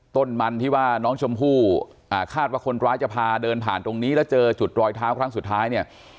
ต้นมันที่ว่าน้องชมพู่อ่าคาดว่าคนร้ายจะพาเดินผ่านตรงนี้แล้วเจอจุดรอยเท้าครั้งสุดท้ายเนี่ย